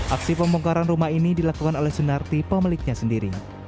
aksi pembongkaran rumah ini dilakukan oleh sunarti pemiliknya sendiri